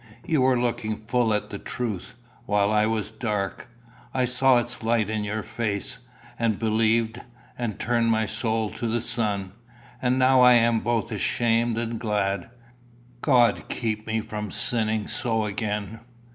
"You were looking full at the truth, while I was dark. I saw its light in your face, and believed, and turned my soul to the sun. And now I am both ashamed and glad. God keep me from sinning so again."